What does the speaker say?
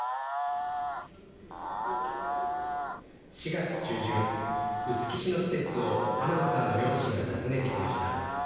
４月中旬、臼杵市の施設を濱野さんの両親が訪ねてきました。